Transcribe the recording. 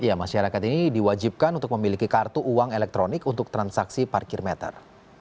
ya masyarakat ini diwajibkan untuk memiliki kartu uang elektronik untuk transaksi parkir meter